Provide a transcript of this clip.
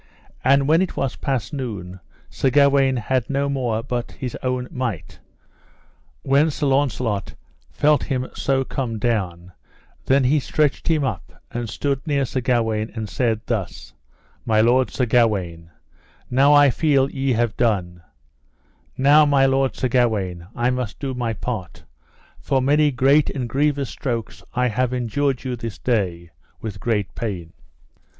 And then when it was past noon Sir Gawaine had no more but his own might. When Sir Launcelot felt him so come down, then he stretched him up and stood near Sir Gawaine, and said thus: My lord Sir Gawaine, now I feel ye have done; now my lord Sir Gawaine, I must do my part, for many great and grievous strokes I have endured you this day with great pain.